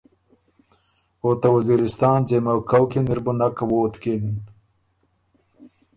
او ته وزیرستان ځېمه کؤ کی ن اِر بُو نک ووتکِن۔